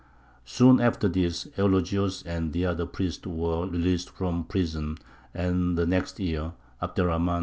Soon after this, Eulogius and the other priests were released from prison, and the next year Abd er Rahmān II.